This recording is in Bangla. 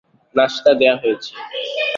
নাশতা দেয়া হয়েছে।